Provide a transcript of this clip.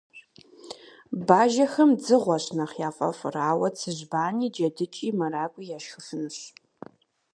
Бажэхэм дзыгъуэщ нэхъ яфӀэфӀыр, ауэ цыжьбани, джэдыкӀи, мэракӀуи, яшхыфынущ.